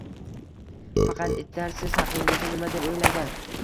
Faqat itlar siz haqingizda nima deb o'ylagan